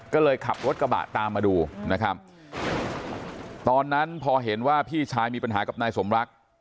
ก็เลยขับรถกระบะตามมาดูนะครับตอนนั้นพอเห็นว่าพี่ชายมีปัญหากับนายสมรัก